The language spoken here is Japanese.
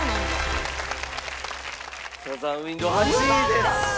『サザン・ウインド』８位です。